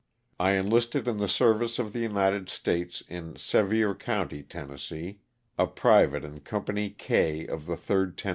I enlisted in the service of the United States in Sevier county, Tenn., a private in Company K of the 3d Tenn.